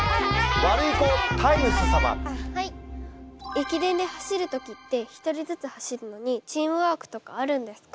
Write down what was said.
駅伝で走る時って１人ずつ走るのにチームワークとかあるんですか？